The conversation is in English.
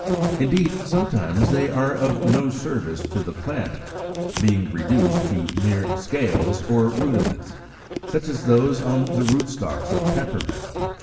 Indeed, sometimes they are of no service to the plant, being reduced to mere scales or rudiments, such as those on the rootstocks of Peppermint (Fig.